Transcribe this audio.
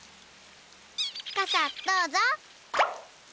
かさどうぞ。